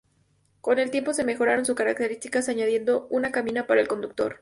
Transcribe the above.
Con el tiempo se mejoraron sus características añadiendo una cabina para el conductor.